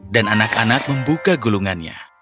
dan anak anak membuka gulungannya